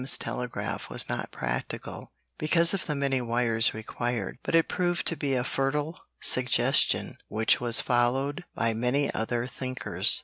's" telegraph was not practical, because of the many wires required, but it proved to be a fertile suggestion which was followed by many other thinkers.